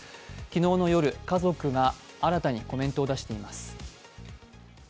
昨日の夜、家族が新たにコメントを出しています。